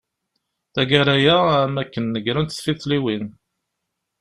Tagara-a, am wakken negrent tfiḍliwin.